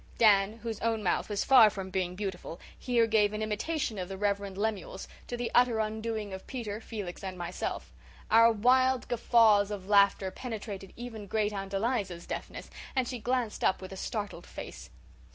Dan, whose own mouth was far from being beautiful, here gave an imitation of the Rev. Lemuel's, to the utter undoing of Peter, Felix, and myself. Our wild guffaws of laughter penetrated even Great aunt Eliza's deafness, and she glanced up with a startled face.